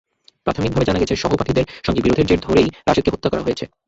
প্রাথমিকভাবে জানা গেছে, সহপাঠীদের সঙ্গে বিরোধের জের ধরেই রাশেদকে হত্যা করা হয়েছে।